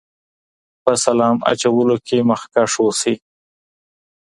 په سلام اچولو کې مخکښ اوسئ.